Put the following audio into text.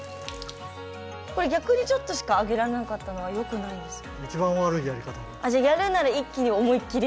これ逆にちょっとしかあげられなかったのはよくないんですか？